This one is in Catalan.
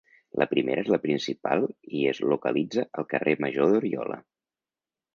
La primera és la principal i es localitza al carrer Major d'Oriola.